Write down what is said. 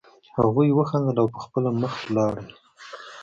هغوی وخندل او په خپله مخه لاړل